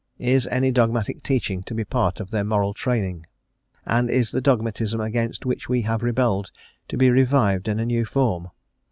Is any dogmatic teaching to be a part of their moral training, and is the dogmatism against which we have rebelled to be revived in a new form?